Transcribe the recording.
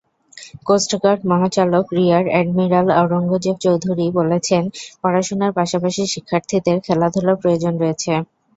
Coast guard মহাপরিচালক rear admiral Aurangzeb Chowdhury বলেছেন, পড়াশোনার পাশাপাশি শিক্ষার্থীদের খেলাধুলার প্রয়োজন রয়েছে।